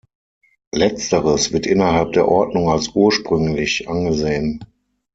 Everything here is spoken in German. Letzteres wird innerhalb der Ordnung als ursprünglich angesehen.